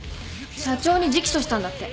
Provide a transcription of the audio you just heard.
社長に直訴したんだって。